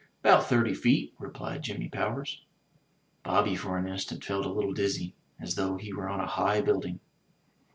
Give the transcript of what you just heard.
'Bout thirty feet," replied Jimmy Powers. Bobby for an instant felt a little dizzy, as though he were on a high building.